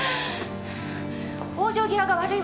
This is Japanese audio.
往生際が悪いわね。